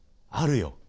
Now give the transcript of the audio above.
あるよ